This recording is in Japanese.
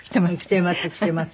着てます着てます。